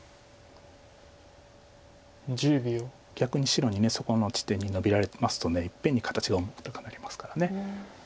逆に白にそこの地点にノビられますといっぺんに形が重たくなりますから。